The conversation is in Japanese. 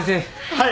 はい。